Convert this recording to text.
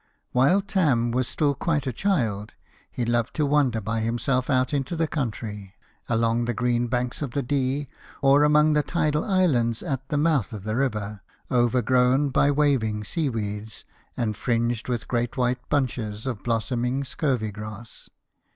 While Tarn was still quite a child, he loved to wander by himself out into the country, along the green banks of the Dee, or among the tidal islands at the mouth of the river, overgrown by waving seaweeds, and fringed with great white bunches of blossoming scurvy grass.